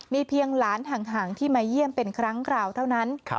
มีเพียงหลานห่างที่มาเยี่ยมเป็นครั้งคราวเท่านั้น